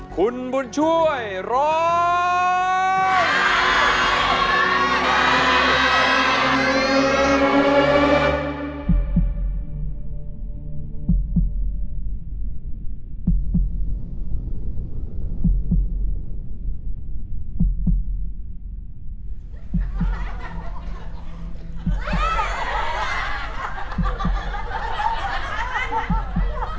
คุณบุญช่วยร้อง